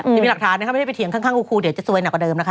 จะมีหลักฐานนะคะไม่ได้ไปเถียงข้างคุณครูเดี๋ยวจะซวยหนักกว่าเดิมนะคะ